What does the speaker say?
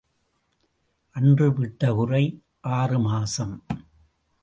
அன்று விட்ட குறை ஆறு மாசம்.